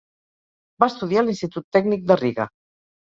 Va estudiar a l'Institut Tècnic de Riga.